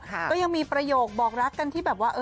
ก็ยังมีประโยคบอกรักกันที่แบบว่า